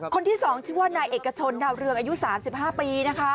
คนที่๒ชื่อว่านายเอกชนดาวเรืองอายุ๓๕ปีนะคะ